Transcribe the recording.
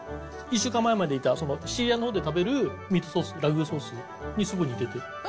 １週間前までいた、シチリアのほうで食べるミートソース、ラグーソース？にすごい似てて。